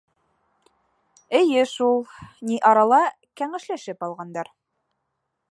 Эйе шул, ни арала кәңәшләшеп алғандар.